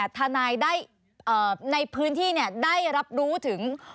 ทนายได้ในพื้นที่ได้รับรู้ถึง